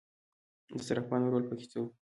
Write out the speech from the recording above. د صرافانو رول پکې څه و؟